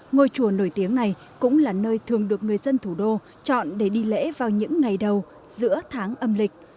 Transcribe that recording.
ngôi chùa nổi tiếng này cũng là nơi thường được người dân thủ đô chọn để đi lễ vào những ngày đầu giữa tháng âm lịch